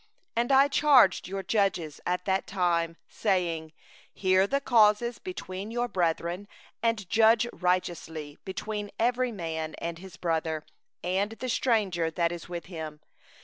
16And I charged your judges at that time, saying: 'Hear the causes between your brethren, and judge righteously between a man and his brother, and the stranger that is with him.